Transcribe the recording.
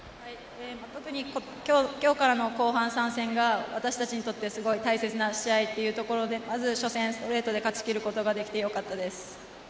特に今日からの後半３戦が私たちにとって大切な試合ということでまず初戦、ストレートで勝ち切ることができて良かったです。